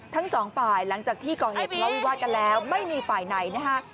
ทั้งสองฝ่ายหลังจากที่ก่อเหตุทะเลาวิวาสกันแล้วไม่มีฝ่ายไหนนะคะ